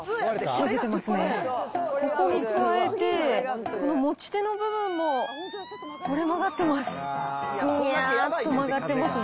それに加えて、この持ち手の部分も、折れ曲がってます。